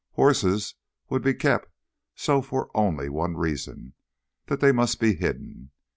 Horses would be kept so for only one reason, that they must be hidden.